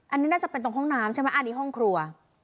อันนี้น่าจะเป็นตรงห้องน้ำใช่ไหมอันนี้ห้องครัว